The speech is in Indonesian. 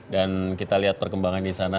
dan kita lihat perkembangan di sana